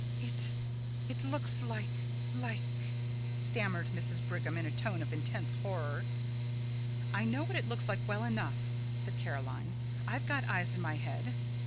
"It it looks like like " stammered Mrs. Brigham in a tone of intense horror. "I know what it looks like well enough," said Caroline. "I've got eyes in my head."